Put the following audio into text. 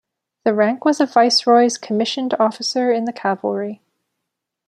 The rank was a Viceroy's commissioned officer in the cavalry.